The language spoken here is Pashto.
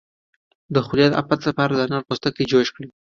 د خولې د افت لپاره د انار پوستکی جوش کړئ